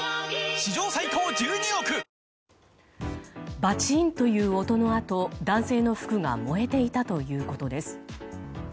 バチンという音のあと男性の服が燃えていたということです。